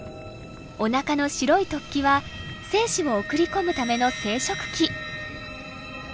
おなかの白い突起は精子を送り込むための生殖器。